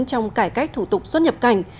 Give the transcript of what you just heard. trong cải cách thủ tục xuất nhập cảnh